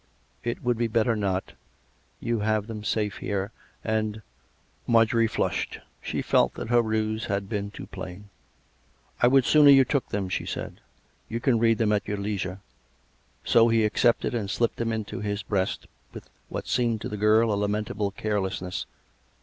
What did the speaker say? " It would be better not. You have them safe here. And " COME RACK! COME ROPE! 139 Marjorie flushed. She felt that her ruse had been too plain. " I would sooner you took them," she said. " You can read them at your leisure." So he accepted, and slipped them into his breast with what seemed to the girl a lamentable carelessness.